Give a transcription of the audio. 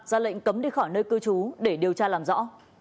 ra lệnh cấm đi khỏi nơi cư trú để điều tra làm rõ